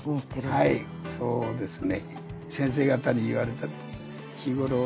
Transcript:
はいそうですね。